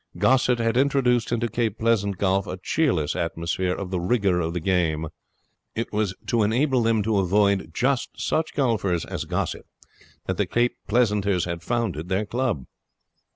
Gossett had introduced into Cape Pleasant golf a cheerless atmosphere of the rigour of the game. It was to enable them to avoid just such golfers as Gossett that the Cape Pleasanters had founded their club.